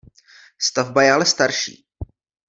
Stavba je ale starší.